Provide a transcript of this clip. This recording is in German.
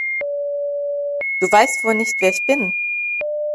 Du weißt wohl nicht, wer ich bin!